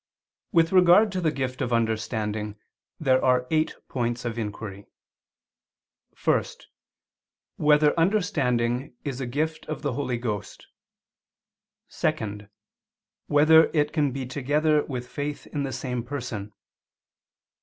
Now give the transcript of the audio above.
With regard to the gift of understanding there are eight points of inquiry: (1) Whether understanding is a gift of the Holy Ghost? (2) Whether it can be together with faith in the same person?